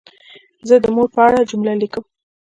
زه د مور په اړه جمله لیکم.